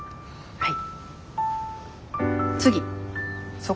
はい。